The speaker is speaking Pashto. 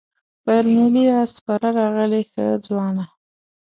پر نیلي آس سپره راغلې ښه ځوانه.